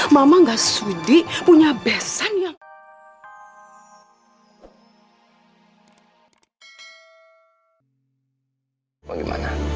mama gak sudi punya besan yang bagaimana